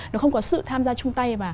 nó không có sự tham gia chung tay